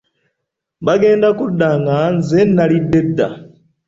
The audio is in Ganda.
Bagenda okudda nga nze nalidde dda.